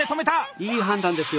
いい判断ですよ。